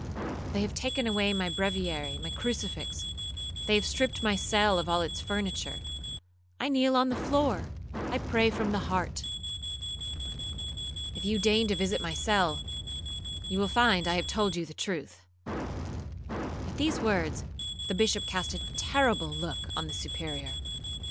They have taken away my breviary, my crucifix;—they have stript my cell of all its furniture. I kneel on the floor—I pray from the heart. If you deign to visit my cell, you will find I have told you the truth.' At these words, the Bishop cast a terrible look on the Superior.